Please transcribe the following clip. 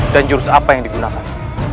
dan jurus apa yang digunakan